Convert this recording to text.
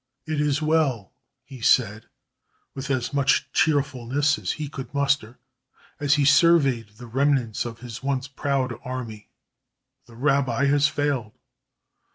"It is well," he said, with as much cheerfulness as he could muster, as he surveyed the remnants of his once proud army. "The rabbi has failed."